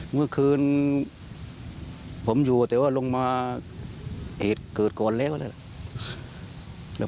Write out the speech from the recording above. เมื่อคืนผมอยู่แต่ว่าลงมาเหตุเกิดก่อนแล้วเนี่ย